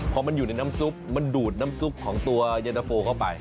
พอมันอยู่ในน้ำซุปมันดูดน้ำซุปของตัวเย็นตะโฟเข้าไป